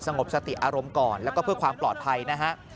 งบสติอารมณ์ก่อนแล้วก็เพื่อความปลอดภัยนะฮะ